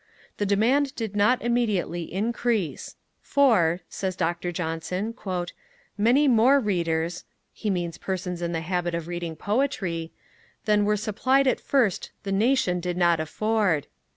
The demand did not immediately increase; 'for,' says Dr. Johnson, 'many more readers' (he means persons in the habit of reading poetry) 'than were supplied at first the Nation did not afford.'